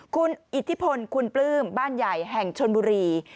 คุณอิทธิพลคุณปลื้มบ้านใหญ่แห่งชนบุรี